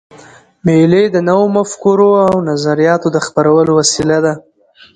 مېلې د نوو مفکورو او نظریاتو خپرولو وسیله ده.